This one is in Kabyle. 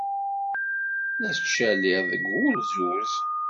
La tettcaliḍ deg wulzuz.